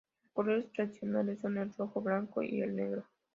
Sus colores tradicionales son el rojo, blanco y el negro.